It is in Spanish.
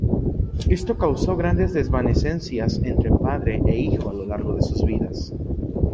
Esto causó grandes desavenencias entre padre e hijo a lo largo de sus vidas.